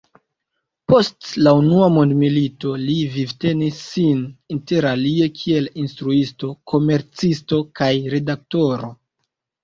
Post la Unua Mondmilito li vivtenis sin interalie kiel instruisto, komercisto kaj redaktoro.